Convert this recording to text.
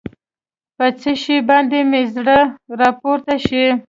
په څه شي باندې به مې زړه راپورته شي.